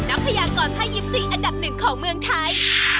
นักพยากรพ่อยิปซีอันดับหนึ่งของเมืองไทย